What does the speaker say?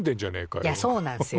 いやそうなんすよ。